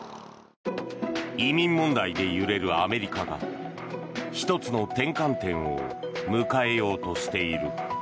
移民問題で揺れるアメリカが１つの転換点を迎えようとしている。